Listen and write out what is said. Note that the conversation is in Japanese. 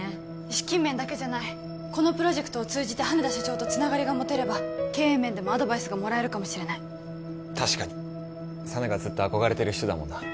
資金面だけじゃないこのプロジェクトを通じて羽田社長とつながりが持てれば経営面でもアドバイスがもらえるかもしれない確かに佐奈がずっと憧れてる人だもんな